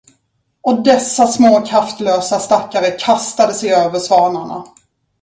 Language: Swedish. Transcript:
Och dessa små kraftlösa stackare kastade sig över svanarna.